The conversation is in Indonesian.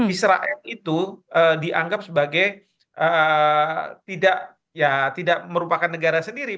israel itu dianggap sebagai tidak merupakan negara sendiri